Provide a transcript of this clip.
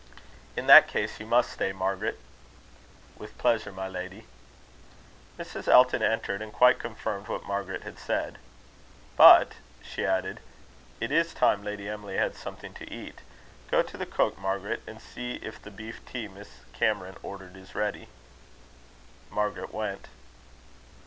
"In that case you must stay, Margaret." "With pleasure, my lady." Mrs. Elton entered, and quite confirmed what Margaret had said. "But," she added, "it is time Lady Emily had something to eat. Go to the cook, Margaret, and see if the beef tea Miss Cameron ordered is ready." Margaret went.